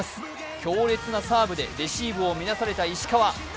強烈なサーブでレシーブを乱された石川。